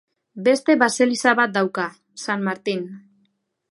Beste baseliza bat dauka, San Martin.